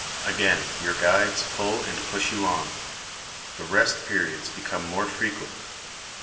Again your guides pull and push you on. The rest periods become more frequent.